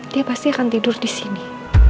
dia pasti akan tidur disini